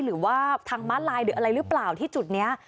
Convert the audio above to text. หรือว่าทางม้าลายหรืออะไรหรือเปล่าที่จุดนี้